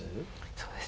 そうですね